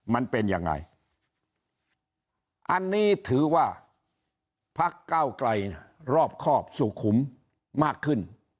มันเป็นยังไงอันนี้ถือว่าพักเก้าไกลรอบครอบสุขุมมากขึ้น